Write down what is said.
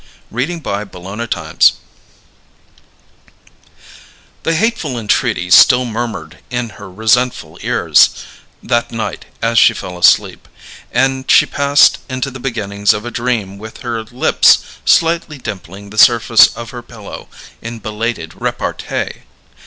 CHAPTER SEVENTEEN The hateful entreaty still murmured in her resentful ears, that night, as she fell asleep; and she passed into the beginnings of a dream with her lips slightly dimpling the surface of her pillow in belated repartee.